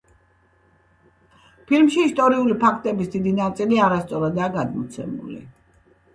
ფილმში ისტორიული ფაქტების დიდი ნაწილი არასწორადაა გადმოცემული.